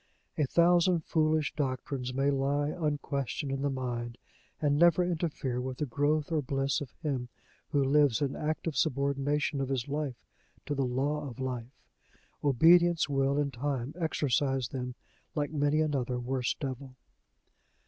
A thousand foolish doctrines may lie unquestioned in the mind, and never interfere with the growth or bliss of him who lives in active subordination of his life to the law of life: obedience will in time exorcise them, like many another worse devil.